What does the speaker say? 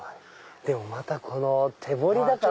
でもまたこの手彫りだから。